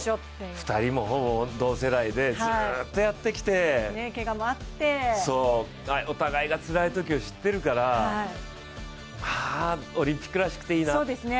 ２人も、ほぼ同世代でずっとやってきて、お互いがつらいときを知ってるから、オリンピックらしくていいな。